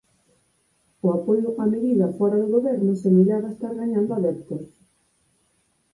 O apoio á medida fóra do goberno semellaba estar gañando adeptos.